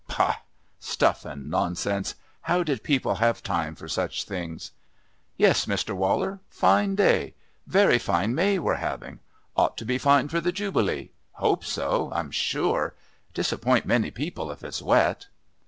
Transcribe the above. Pah! Stuff and nonsense. How did people have time for such things? "Yes, Mr. Waller. Fine day. Very fine May we're having. Ought to be fine for the Jubilee. Hope so, I'm sure. Disappoint many people if it's wet...."